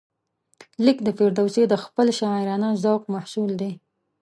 لیک د فردوسي د خپل شاعرانه ذوق محصول دی.